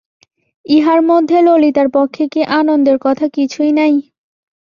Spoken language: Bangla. ইহার মধ্যে ললিতার পক্ষে কি আনন্দের কথা কিছুই নাই?